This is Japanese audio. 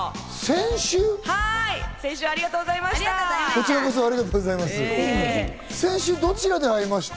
先週ありがとうございました。